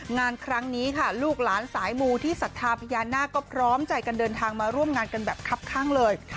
งานครั้งนี้ค่ะลูกหลานสายมูที่ศรัทธาพญานาคก็พร้อมใจกันเดินทางมาร่วมงานกันแบบคับข้างเลย